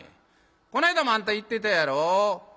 こないだもあんた行ってたやろ？